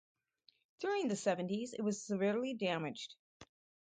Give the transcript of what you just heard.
During the seventies it was severely damaged.